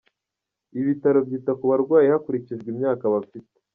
Ibi bitaro byita ku barwayi hakurikijwe imyaka bafite.